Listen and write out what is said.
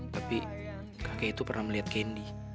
tapi kakek itu pernah melihat kendi